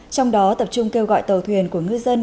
trong đó tập trung kêu gọi tàu thuyền của ngư dân